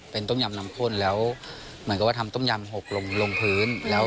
เป็นต้มยำน้ำข้นแล้วเหมือนกับว่าทำต้มยำหกลงลงพื้นแล้ว